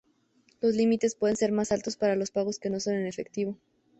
Los límites pueden ser más altos para los pagos que no son en efectivo.